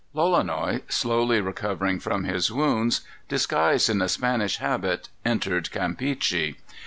Lolonois, slowly recovering from his wounds, disguised in a Spanish habit, entered Campeachy.